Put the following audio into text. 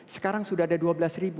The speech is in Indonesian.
sekarang sudah ada dua belas ribu